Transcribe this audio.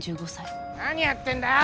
何やってんだよ！